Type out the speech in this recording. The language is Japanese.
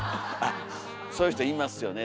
そういう人いますよね